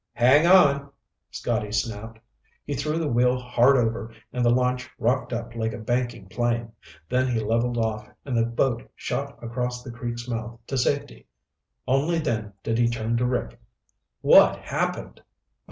"Hang on!" Scotty snapped. He threw the wheel hard over and the launch rocked up like a banking plane, then he leveled off and the boat shot across the creek's mouth to safety. Only then did he turn to Rick. "What happened?"